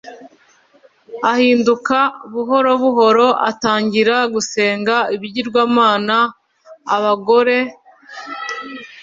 ahinduka buhoro buhoro atangira gusenga ibigirwamana abagore